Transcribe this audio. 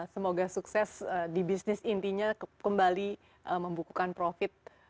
semoga sukses di bisnis intinya kembali membukukan profit